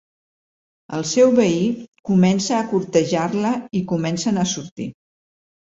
El seu veí comença a cortejar-la i comencen a sortir.